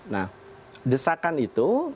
nah desakan itu